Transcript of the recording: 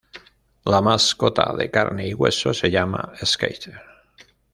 La mascota de carne y hueso se llama "Skeeter".